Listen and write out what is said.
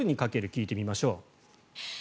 聴いてみましょう。